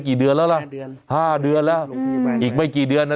กี่เดือนแล้วล่ะแม่เดือนห้าเดือนแล้วอืมอืมอีกไม่กี่เดือนน่ะ